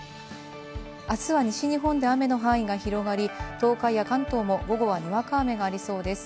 あすは西日本で雨の範囲が広がり、東海や関東も午後はにわか雨がありそうです。